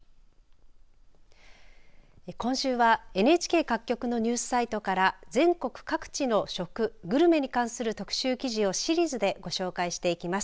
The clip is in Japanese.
今週はＮＨＫ各局のニュースサイトから全国各地の食、グルメに関する特集記事をシリーズでご紹介していきます。